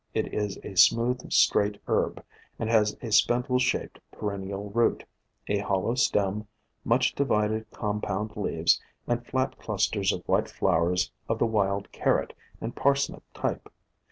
It is a smooth, straight herb, and has a spindle shaped, perennial root, a hollow stem, much divided com pound leaves, and flat clusters of white flowers of the Wild Carrot 176 POISONOUS PLANTS and Parsnip type.